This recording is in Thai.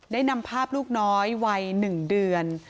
นำภาพลูกน้อยวัย๑เดือน